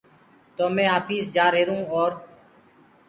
تو مي آپيس جآهرون اور